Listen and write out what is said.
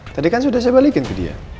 tadi kan sudah saya balikin ke dia